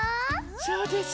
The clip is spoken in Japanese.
そうです。